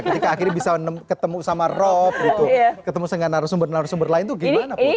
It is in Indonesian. ketika akhirnya bisa ketemu sama rob gitu ketemu dengan narasumber narasumber lain itu gimana